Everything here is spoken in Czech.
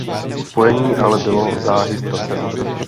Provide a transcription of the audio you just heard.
Spojení ale bylo záhy ztraceno.